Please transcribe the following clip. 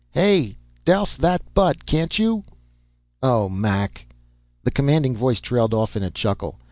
"Hey, douse that butt! Can't you ... oh, Mac!" The commanding voice trailed off in a chuckle.